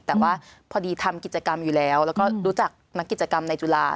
แต่ว่าพอดีทำกิจกรรมอยู่แล้วแล้วก็รู้จักนักกิจกรรมในจุฬา